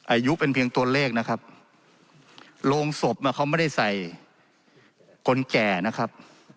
อายุเป็นเพียงตัวเลขนะครับโรงศพอ่ะเขาไม่ได้ใส่คนแก่นะครับ